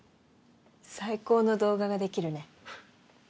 「最高の動画ができるね」